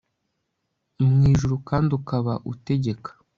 mu ijuru kandi ukaba utegeka